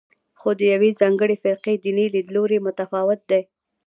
خو د یوې ځانګړې فرقې دیني لیدلوری متفاوت دی.